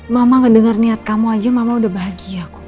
mama ngedengar niat kamu aja mama udah bahagia kok